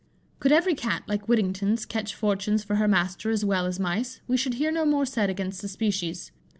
Could every Cat, like Whittington's, catch fortunes for her master as well as mice, we should hear no more said against the species.